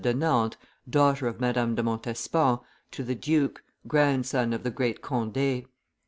de Nantes, daughter of Madame de Montespan, to the duke, grandson of the great Conde.